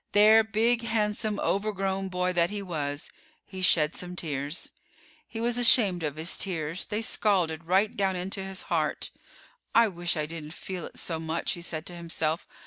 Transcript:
There, big, handsome, overgrown boy that he was, he shed some tears. He was ashamed of his tears; they scalded right down into his heart. "I wish I didn't feel it so much," he said to himself.